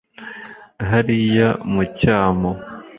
hariya mu mucyamo